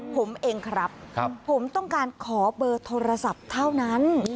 ผมเองครับผมต้องการขอเบอร์โทรศัพท์เท่านั้น